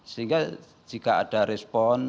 sehingga jika ada respon